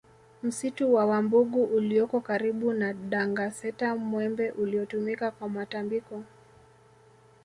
Msitu wa Wambugu ulioko karibu na Dangaseta Mwembe uliotumika kwa matambiko